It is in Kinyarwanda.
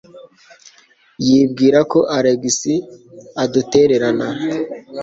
Yibwira ko Alex adutererana.